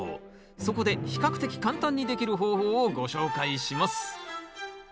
そこで比較的簡単にできる方法をご紹介します